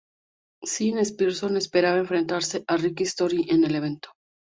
Sean Pierson esperaba enfrentarse a Rick Story en el evento.